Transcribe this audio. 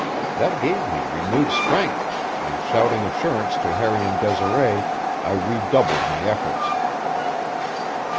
That gave me renewed strength, and, shouting assurance to Harry and Desiree, I redoubled my efforts.